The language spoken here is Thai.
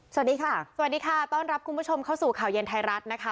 สวัสดีค่ะสวัสดีค่ะต้อนรับคุณผู้ชมเข้าสู่ข่าวเย็นไทยรัฐนะคะ